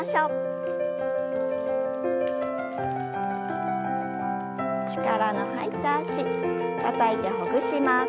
力の入った脚たたいてほぐします。